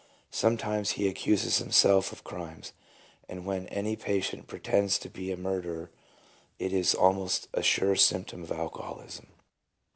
Sometimes he accuses himself of crimes, and when any patient pretends to be a murderer it is almost a sure symptom of alcoholism.